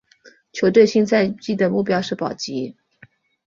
球队新赛季的目标是保级。